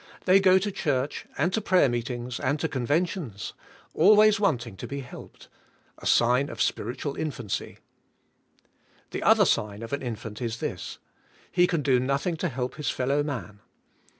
They go to church, and to prayer meetings, and to conventions, always wanting to be helped, — a sign of spiritual infancj . The other sign of an infant is this: he can do nothing to help his fellow man.